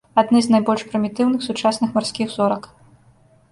Адны з найбольш прымітыўных сучасных марскіх зорак.